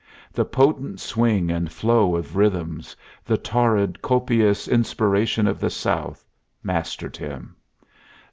The potent swing and flow of rhythms, the torrid, copious inspiration of the South, mastered him.